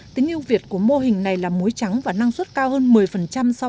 tính yêu việt của mô hình này là muối trắng và năng suất cao hơn một mươi so với cách làm truyền thống